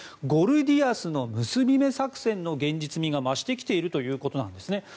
ゴルディアスの結び目作戦の現実味が増してきているということなんですね。